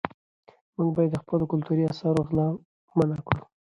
موږ باید د خپلو کلتوري اثارو غلا منعه کړو.